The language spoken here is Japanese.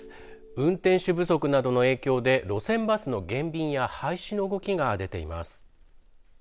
運転手不足などの影響で路線バスの減便や廃止の動きが出ています。